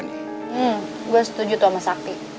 saya setuju dengan sakti